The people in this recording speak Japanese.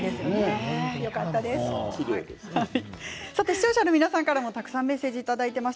視聴者の皆さんからメッセージをいただいてます。